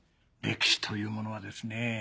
歴史というものはですね